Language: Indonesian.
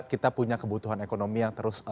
kita punya kebutuhan ekonomi yang terus